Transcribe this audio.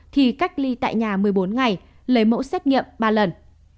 thì cách ly tại nhà một mươi bốn ngày lấy mẫu xét nghiệm ba lần